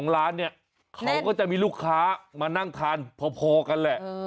ร้านเนี่ยเขาก็จะมีลูกค้ามานั่งทานพอกันแหละ